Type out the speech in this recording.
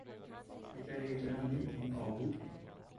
Vilka regler har ni kring avbokning?